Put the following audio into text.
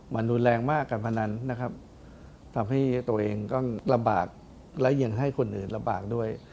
มันรุนแรงมากการพนันนะครับทำให้ตัวเองก็ลำบากและยังให้คนอื่นลำบากด้วย